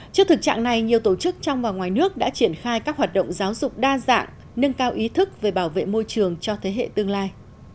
trước thực trạng này nhiều tổ chức trong và ngoài nước đã triển khai các hoạt động giáo dục đa dạng nâng cao ý thức về bảo vệ môi trường cho thế hệ tương lai